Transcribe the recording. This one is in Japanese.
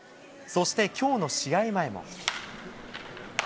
そして、きょうの試合前も。